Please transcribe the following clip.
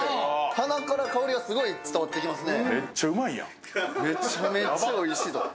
鼻から香りがすごい伝わってきますね。